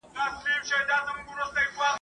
چي له غمه مي زړګی قلم قلم دی ..